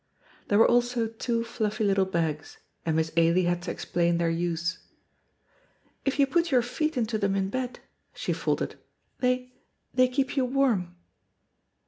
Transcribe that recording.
There were also two fluffy little bags, and Miss Ailie had to explain their use. "If you put your feet into them in bed," she faltered, "they they keep you warm."